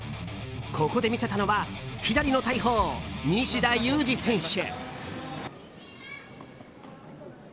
ここで見せたのは左の大砲・西田有志選手！